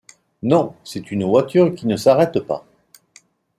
Non, c’est une voiture qui ne s’arrête pas.